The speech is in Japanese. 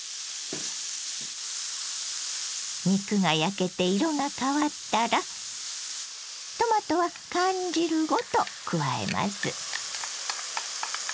肉が焼けて色が変わったらトマトは缶汁ごと加えます。